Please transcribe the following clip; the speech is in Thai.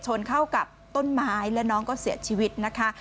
ชนเข้ากับต้นไม้และน้องก็เสียชีวิตนะคะ